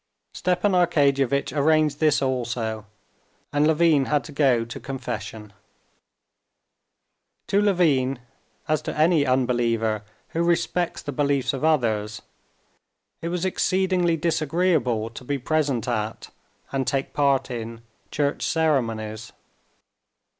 Stepan Arkadyevitch arranged this also, and Levin had to go to confession. To Levin, as to any unbeliever who respects the beliefs of others, it was exceedingly disagreeable to be present at and take part in church ceremonies.